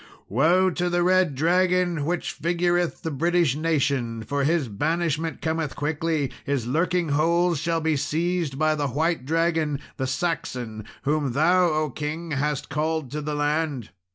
"Woe to the red dragon, which figureth the British nation, for his banishment cometh quickly; his lurkingholes shall be seized by the white dragon the Saxon whom thou, O king, hast called to the land.